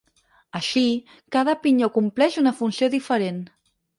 Així, cada pinyó compleix una funció diferent.